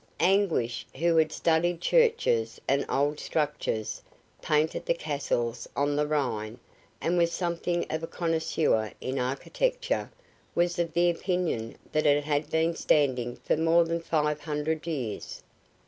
Anguish, who had studied churches and old structures, painted the castles on the Rhine, and was something of a connoisseur in architecture, was of the opinion that it had been standing for more than five hundred years.